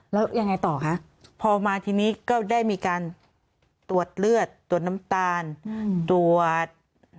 แล้วยังไงต่อคะพอมาทีนี้ก็ได้มีการตรวจเลือดตรวจน้ำตาลตรวจ